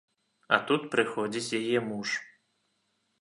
А тут прыходзіць яе муж.